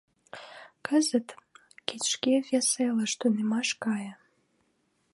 Кызыт — кеч шке вес элыш тунемаш кае.